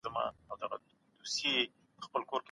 فيلسوفانو د عقل په اړه بحثونه کول.